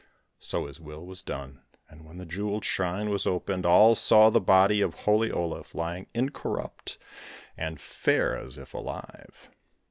So his will was done and when the jewelled shrine was opened, all saw the body of holy Olaf lying incorrupt and fair as if alive.